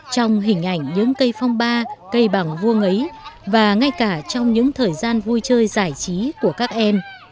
trong hình ảnh những cây phong ba cây bằng vuông ấy và ngay cả trong những thời gian vui chơi giải trí của các em